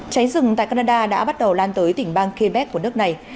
trái rừng tại canada đã bắt đầu lan tới tỉnh bang quebec của nước này